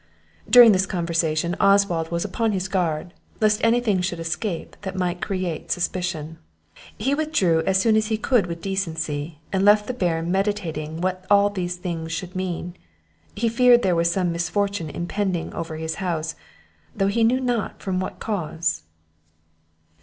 During this conversation, Oswald was upon his guard, lest any thing should escape that might create suspicion. He withdrew as soon as he could with decency, and left the Baron meditating what all these things should mean; he feared there was some misfortune impending over his house, though he knew not from what cause.